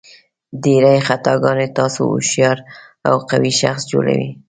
ډېرې خطاګانې تاسو هوښیار او قوي شخص جوړوي.